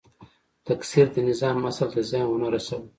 تکثیر د نظام اصل ته زیان ونه رسول.